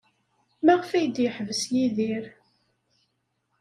Maɣef ay d-yeḥbes Yidir?